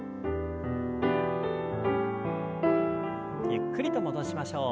ゆっくりと戻しましょう。